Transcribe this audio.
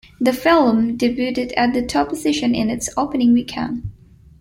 The film debuted at the top position in its opening weekend.